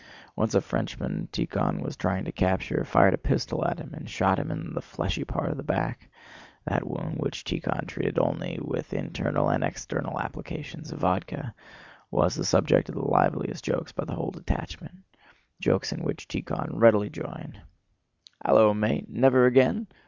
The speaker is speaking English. Once a Frenchman Tíkhon was trying to capture fired a pistol at him and shot him in the fleshy part of the back. That wound (which Tíkhon treated only with internal and external applications of vodka) was the subject of the liveliest jokes by the whole detachment—jokes in which Tíkhon readily joined. "Hallo, mate! Never again?